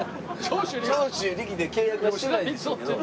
長州力で契約はしないでしょうけど。